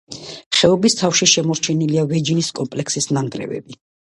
ხეობის თავში შემორჩენილია ვეჯინის კომპლექსის ნანგრევები.